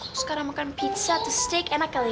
kok sekarang makan pizza atau steak enak kali ya